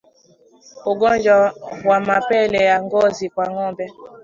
Ugonjwa wa mapele ya ngozi kwa ngombe